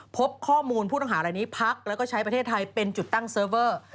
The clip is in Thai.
พบข้อมูลผู้ต้องหารายนี้พักแล้วก็ใช้ประเทศไทยเป็นจุดตั้งเซิร์ฟเวอร์